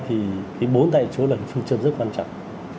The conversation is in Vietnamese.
thì cái bốn tại chỗ là phương châm rất quan trọng